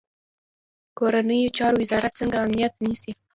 کورنیو چارو وزارت څنګه امنیت نیسي؟